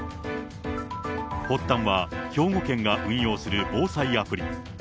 発端は兵庫県が運用する防災アプリ。